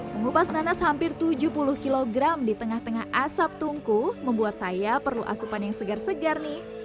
mengupas nanas hampir tujuh puluh kg di tengah tengah asap tungku membuat saya perlu asupan yang segar segar nih